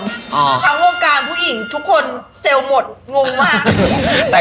ทั้งวงการผู้หญิงทุกคนเซลล์หมดงงมาก